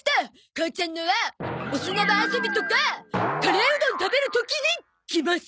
母ちゃんのはお砂場遊びとかカレーうどん食べる時に着ます！